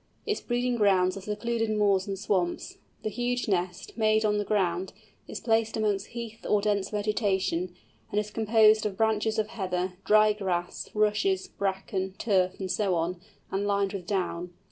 Its breeding grounds are secluded moors and swamps. The huge nest, made on the ground, is placed amongst heath or dense vegetation, and is composed of branches of heather, dry grass, rushes, bracken, turf, and so on, and lined with down.